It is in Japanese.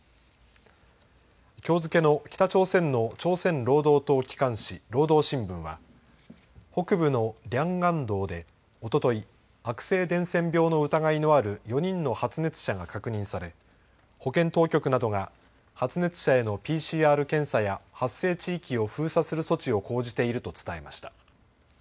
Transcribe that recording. きょう付けの北朝鮮の朝鮮労働党機関紙、労働新聞は、北部のリャンガン道でおととい悪性伝染病の疑いのある４人の発熱者が確認され保健当局などが発熱者へのＰＣＲ検査や発生地域を封鎖する措置を講じていると伝えました。